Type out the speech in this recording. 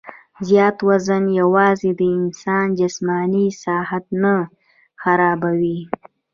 زيات وزن يواځې د انسان جسماني ساخت نۀ خرابوي